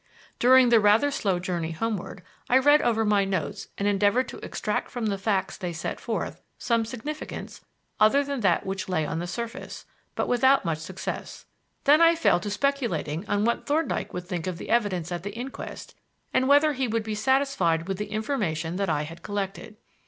During the rather slow journey homeward I read over my notes and endeavored to extract from the facts they set forth some significance other than that which lay on the surface, but without much success. Then I fell to speculating on what Thorndyke would think of the evidence at the inquest and whether he would be satisfied with the information that I had collected.